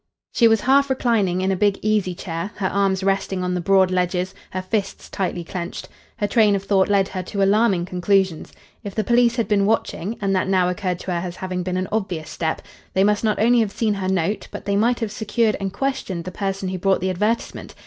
She was half reclining in a big easy chair, her arms resting on the broad ledges, her fists tightly clenched. Her train of thought led her to alarming conclusions. If the police had been watching and that now occurred to her as having been an obvious step they must not only have seen her note, but they might have secured and questioned the person who brought the advertisement.